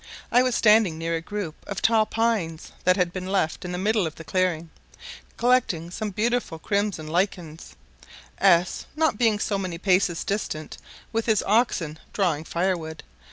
I was standing near a group of tall pines that had been left in the middle of the clearing, collecting some beautiful crimson lichens, S not being many paces distant, with his oxen drawing fire wood.